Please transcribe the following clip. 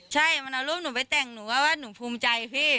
ใช่มันเอารูปหนูไปแต่งหนูก็ว่าหนูภูมิใจพี่